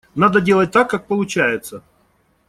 Надо делать так, как получается.